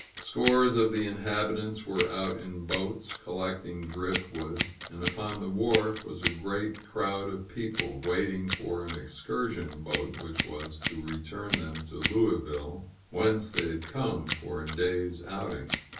Scores of the inhabitants were out in boats, collecting driftwood; and upon the wharf was a great crowd of people, waiting for an excursion boat which was to return them to Louisville, whence they had come for a day's outing.